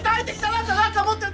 なんか持ってる！